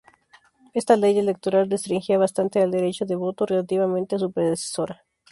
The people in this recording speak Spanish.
Esta ley electoral restringía bastante el derecho de voto, relativamente a su predecesora.